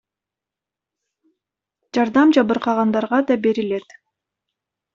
Жардам жабыркагандарга да берилет.